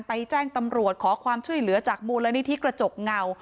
แจ้งตำรวจขอความช่วยเหลือจากมูลนิธิกระจกเงา